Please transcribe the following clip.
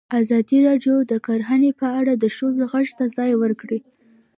ازادي راډیو د کرهنه په اړه د ښځو غږ ته ځای ورکړی.